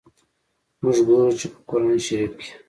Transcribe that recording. موږ ګورو چي، په قرآن شریف کي.